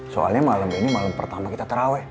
soalnya malam ini malam pertama kita terawih